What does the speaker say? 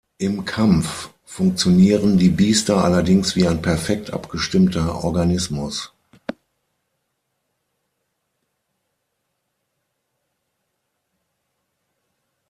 Im Kampf funktionieren die Biester allerdings wie ein perfekt abgestimmter Organismus.